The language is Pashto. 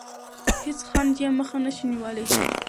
هیڅ خنډ یې مخه نه شي نیولی.